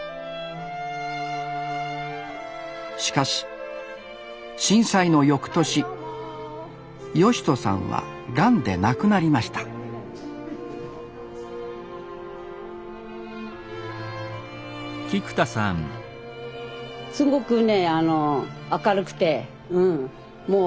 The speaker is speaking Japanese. しかし震災のよくとし義人さんはがんで亡くなりましたすごくね明るくてうん。